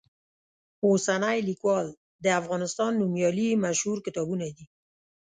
اوسنی لیکوال، د افغانستان نومیالي یې مشهور کتابونه دي.